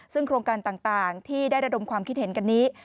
ซึ่งโครงการต่างที่ได้ระดมความคิดเห็นกันนี้